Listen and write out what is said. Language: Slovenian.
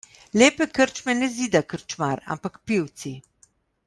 Lepe krčme ne zida krčmar, ampak pivci.